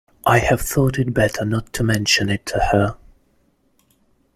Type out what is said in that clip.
I have thought it better not to mention it to her.